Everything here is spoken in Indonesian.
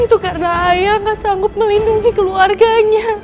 itu karena ayah gak sanggup melindungi keluarganya